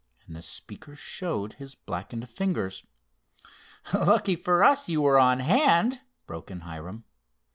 and the speaker showed his blackened fingers. "Lucky for us you were on hand!" broke in Hiram.